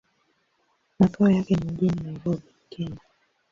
Makao yake ni mjini Nairobi, Kenya.